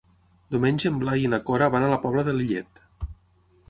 Diumenge en Blai i na Cora van a la Pobla de Lillet.